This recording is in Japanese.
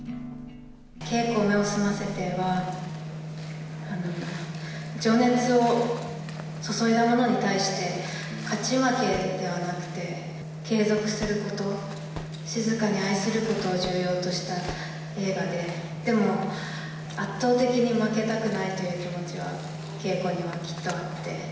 ケイコ目を澄ませては、情熱を注いだものに対して、勝ち負けではなくて、継続すること、静かに愛することを重要とした映画で、でも圧倒的に負けたくないという気持ちは、ケイコにはきっとあって。